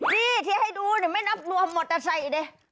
นี่ที่ให้ดูไม่นับรวมมอเตอร์ไซค์ดิ